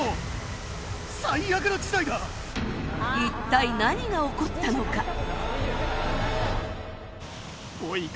一体何が起こったのか？